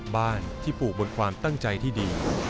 บ้านที่ปลูกบนความตั้งใจที่ดี